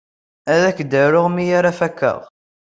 Ad ak-d-aruɣ mi ara fakeɣ.